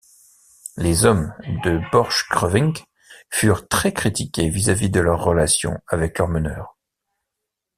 Les hommes de Borchgrevink furent très critiqués vis-à-vis de leurs relations avec leur meneur.